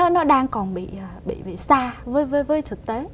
nó đang còn bị xa với thực tế